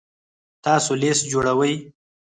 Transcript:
تاسو لیست جوړوئ؟